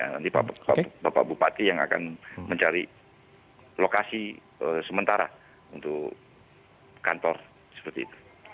nanti bapak bupati yang akan mencari lokasi sementara untuk kantor seperti itu